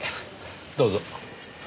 どうぞ。